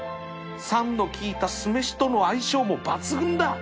酸の効いた酢飯との相性も抜群だ